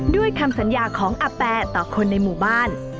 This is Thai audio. คำสัญญาของอาแปต่อคนในหมู่บ้าน